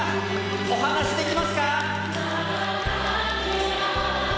お話しできますか？